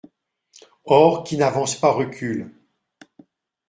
Or, qui n'avance pas recule.